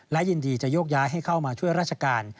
และยินดีจะโยกย้ายให้เข้ามาช่วยราชการ